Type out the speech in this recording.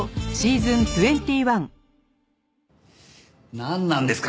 なんなんですか？